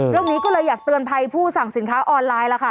เรื่องนี้ก็เลยอยากเตือนภัยผู้สั่งสินค้าออนไลน์ล่ะค่ะ